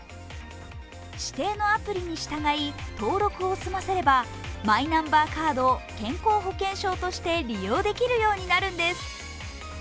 指定のアプリに従い登録を済ませればマイナンバーカードを健康保険証として利用できるようになるんです。